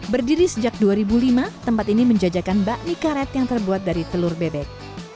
berdiri sejak dua ribu lima tempat ini menjajakan bakmi karet yang terbuat dari telur bebek